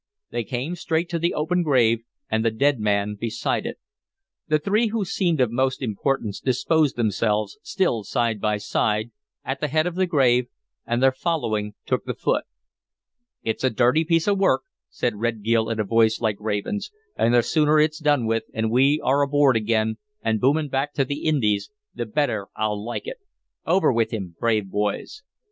They came straight to the open grave, and the dead man beside it. The three who seemed of most importance disposed themselves, still side by side, at the head of the grave, and their following took the foot. "It's a dirty piece of work," said Red Gil in a voice like a raven's, "and the sooner it's done with, and we are aboard again and booming back to the Indies, the better I'll like it. Over with him, brave boys!"